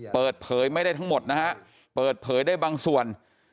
เปิดเผยไม่ได้ทั้งหมดนะฮะเปิดเผยได้บางส่วน